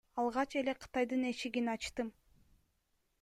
Алгач эле Кытайдын эшигин ачтым.